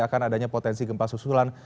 akan adanya potensi gempa susulan